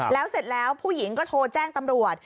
แล้วเสร็จแล้วผู้หญิงก็โทรแจ้งตำรวจ